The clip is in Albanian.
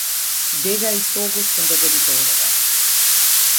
Dega e Istogut kundër debitorëve.